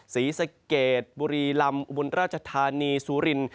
ศรีเสกตริวบุรีลำบุญราชธานีซุรินทร์